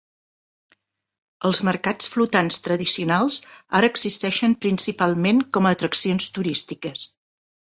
Els mercats flotants tradicionals ara existeixen principalment com a atraccions turístiques.